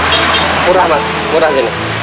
murah mas murah jauh